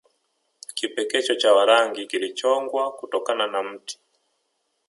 Kipekecho cha Warangi kilichongwa kutokana na mti